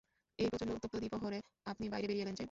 এই প্রচণ্ড উত্তপ্ত দ্বিপ্রহরে আপনি বাইরে বেরিয়ে এলেন যে?